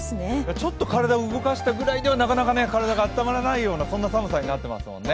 ちょっと体を動かしたぐらいではなかなか体が温まらないような、そんな寒さになっていますもんね。